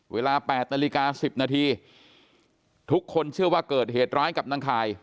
เวลา๘นาฬิกา๑๐นาทีทุกคนเชื่อว่าเกิดเหตุร้ายกับนางข่าย